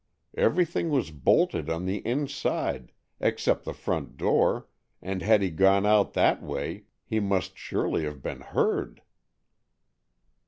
Everything was bolted on the inside, except the front door, and had he gone out that way he must surely have been heard."